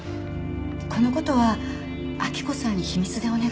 このことは明子さんに秘密でお願いします